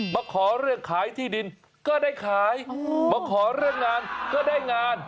มาขอเรื่องขายที่ดินก็ได้ขายมาขอเรื่องงานก็ได้งาน